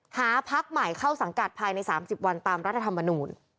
หาพักใหม่เข้าสังกัดภายใน๓๐วันตามรัฐธรรมนูล